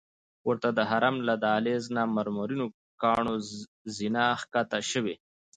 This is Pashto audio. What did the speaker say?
ورته د حرم له دهلیز نه مرمرینو کاڼو زینه ښکته شوې.